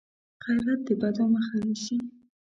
غیرت د بدو مخه نیسي